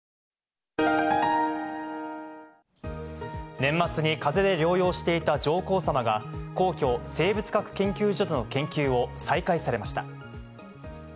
年末に風邪で療養していた上皇さまが皇居・生物学研究所での研究を再開されました。